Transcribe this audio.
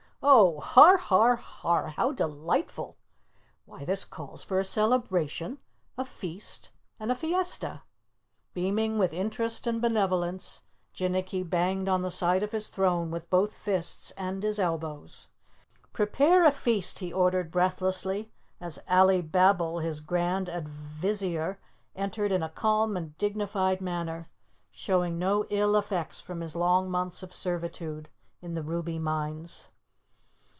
Oh, har, har, har! How delightful! Why, this calls for a celebration, a feast and a fiesta." Beaming with interest and benevolence, Jinnicky banged on the side of his throne with both fists and his elbows. "Prepare a feast," he ordered breathlessly, as Alibabble, his Grand Advizier, entered in a calm and dignified manner, showing no ill effects from his long months of servitude in the ruby mines.